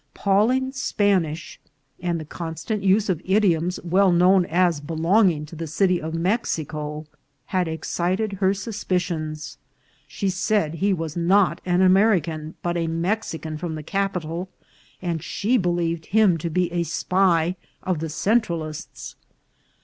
Pawling' s Spanish, and constant use of idioms well known as belonging to the city of Mexico, had excited her suspicions ; she said he was not an American, but a Mexican from the capital, and she believed him to be a spy of the Centralists.